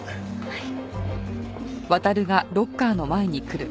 はい。